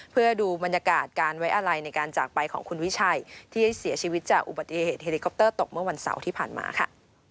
เพื่อดูบรรยากาศการไว้อะไรในการจากไปของคุณวิชัยที่เสียชีวิตจากอุบัติเหตุเฮลิคอปเตอร์ตกเมื่อวันเสาร์ที่ผ่านมาค่ะ